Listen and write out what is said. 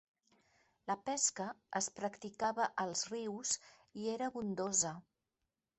La pesca es practicava als rius i era abundosa.